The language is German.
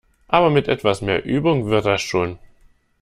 Aber mit etwas mehr Übung wird das schon!